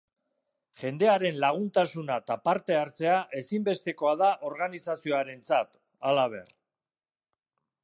Jendearen laguntasuna eta parte hartzea ezinbestekoa da organizazioarentzat, halaber.